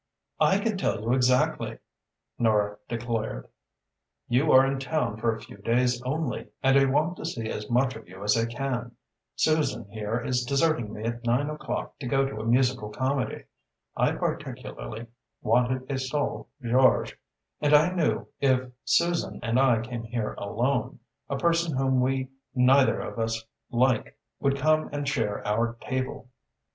"I can tell you exactly," Nora declared. "You are in town for a few days only, and I want to see as much of you as I can; Susan here is deserting me at nine o'clock to go to a musical comedy; I particularly wanted a sole Georges, and I knew, if Susan and I came here alone, a person whom we neither of us like would come and share our table.